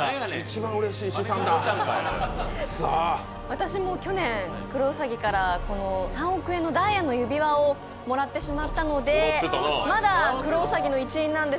私は去年、クロウサギからこちらの３億円のダイヤの指輪をもらってしまったので、まだクロウサギの一員なんです。